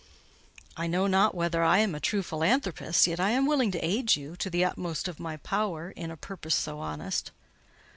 "I know not whether I am a true philanthropist; yet I am willing to aid you to the utmost of my power in a purpose so honest.